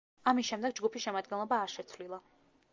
ამის შემდეგ ჯგუფის შემადგენლობა არ შეცვლილა.